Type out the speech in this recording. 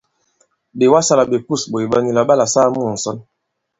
Ɓè wasā àlà ɓè kûs ɓòt ɓà nì là ɓalà saa mu ŋ̀sɔn.